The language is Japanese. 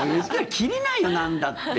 切りないよ、なんだって。